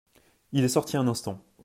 Il est sorti un instant.